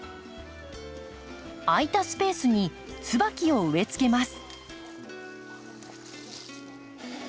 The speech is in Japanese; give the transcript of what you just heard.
空いたスペースにツバキを植えつけます。